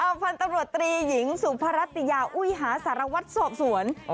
พันธุ์ตำรวจตรีหญิงสุพรัตยาอุ้ยหาสารวัตรสอบสวน